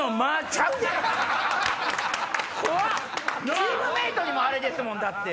チームメートにもあれですもんだって。